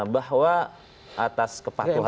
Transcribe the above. bahwa atas kepatuhan